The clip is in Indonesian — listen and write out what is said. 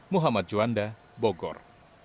muhammad juanda bogor